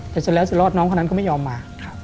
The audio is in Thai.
แต่จนแล้วจะรอดน้องคนนั้นก็ไม่ยอมมา